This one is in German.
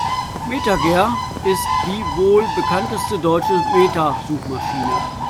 MetaGer ist die wohl bekannteste deutsche Meta-Suchmaschine.